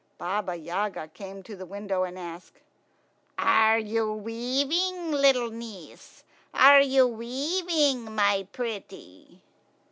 Baba Yaga came to the window and asked, "Are you weaving, little niece? Are you weaving, my pretty?"